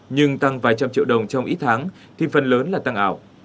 nhưng tăng vài trăm triệu đồng trong ít tháng thì phần lớn là tăng ảo